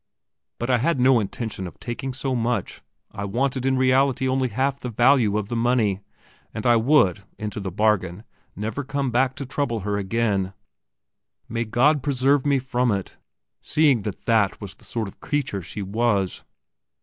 But I had no intention of taking so much, I wanted in reality only half the value of the money, and I would, into the bargain, never come back to trouble her again. Might God preserve me from it, seeing that that was the sort of creature she was....